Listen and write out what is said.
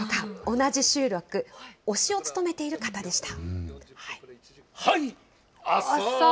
同じ集落、御師を務めている方でした。